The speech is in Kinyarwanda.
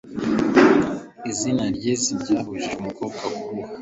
izina ryiza ntiryabujije umukobwa kuruha